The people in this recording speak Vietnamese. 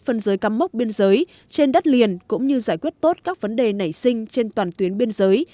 phân giới cắm mốc biên giới trên đất liền cũng như giải quyết tốt các vấn đề nảy sinh trên toàn tuyến biên giới